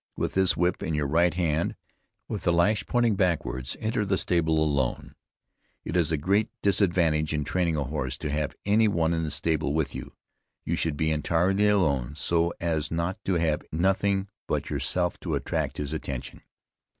With this whip in your right hand, with the lash pointing backward, enter the stable alone. It is a great disadvantage in training a horse, to have any one in the stable with you; you should be entirely alone, so as not to have nothing but yourself to attract his attention.